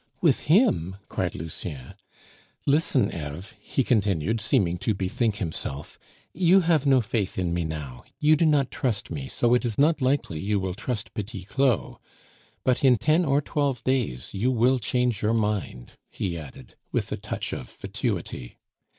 "With him?" cried Lucien. "Listen, Eve," he continued, seeming to bethink himself; "you have no faith in me now; you do not trust me, so it is not likely you will trust Petit Claud; but in ten or twelve days you will change your mind," he added, with a touch of fatuity.